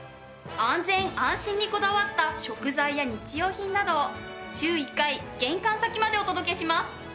安全・安心にこだわった食材や日用品などを週１回玄関先までお届けします。